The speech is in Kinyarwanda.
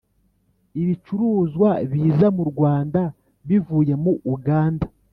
Ibicuruzwa biza mu Rwanda bivuye mu Uganda.